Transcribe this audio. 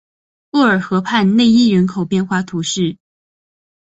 厄尔河畔讷伊人口变化图示